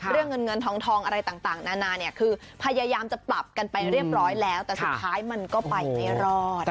เรื่องเงินเงินทองอะไรต่างนานาเนี่ยคือพยายามจะปรับกันไปเรียบร้อยแล้วแต่สุดท้ายมันก็ไปไม่รอด